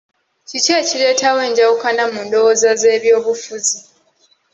Ki ekireetawo enjawukana mu ndowooza z'ebyobufuzi?